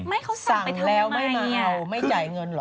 ไม่เขาสั่งไปทำไมเนี่ยไม่จ่ายเงินเหรอ